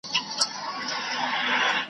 دوه او درې ځایه یې تور وو غوړولی `